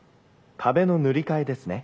「壁の塗り替えですね。